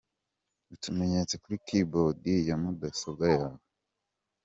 Utumenyetso kuri ‘Key Board’ ya mudasobwa yawe.